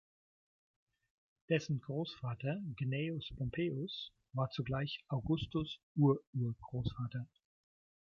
Dessen Großvater, Gnaeus Pompeius, war zugleich Augustus’ Ururgroßvater.